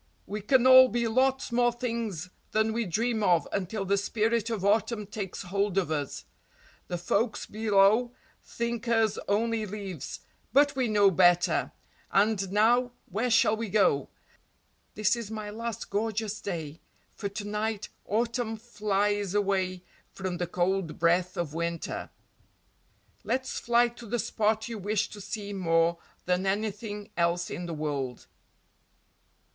"We can all be lots more things than we dream of until the Spirit of Autumn takes hold of us. The folks below think us only leaves, but we know better, and now, where shall we go? This is my last gorgeous day, for to night Autumn flies away from the cold breath of Winter. Let's fly to the spot you wish to see more than anything else in the world."